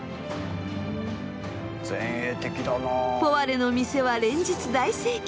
ポワレの店は連日大盛況。